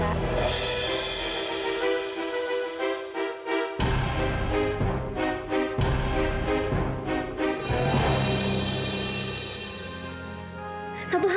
ternyata ni anak mewah